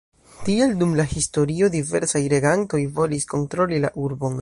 Tial dum la historio diversaj regantoj volis kontroli la urbon.